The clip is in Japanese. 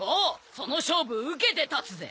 その勝負受けて立つぜ！